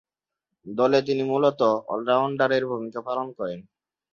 দলে তিনি মূলতঃ অল-রাউন্ডারের ভূমিকা পালন করেন।